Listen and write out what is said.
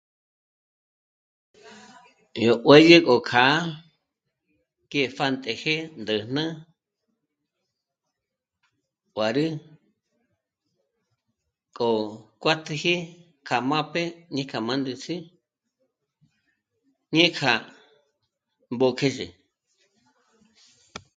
Yó 'uêyi yó k'á'a que pjàntëjë, ndä̂jnä, nguârü, k'o kuátiji kja m'âp'e í k'a mándüzü ñé'e kja mbö́khézhe